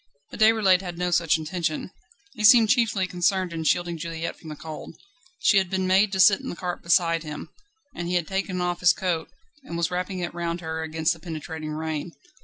But Déroulède had no such intention: he seemed chiefly concerned in shielding Juliette from the cold; she had been made to sit in the cart beside him, and he had taken off his coat, and was wrapping it round her against the penetrating rain.